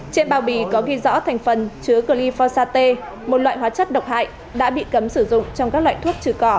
trên bao bì có ghi rõ thành phần chứa glyphosa te một loại hóa chất độc hại đã bị cấm sử dụng trong các loại thuốc trừ cỏ